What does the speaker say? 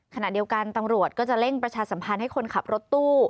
ขณะเดียวกันตำรวจก็จะเร่งประชาสัมพันธ์ให้คนขับรถตู้